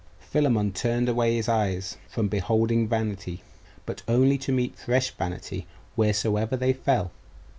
Philammon turned away his eyes from beholding vanity; but only to meet fresh vanity wheresoever they fell.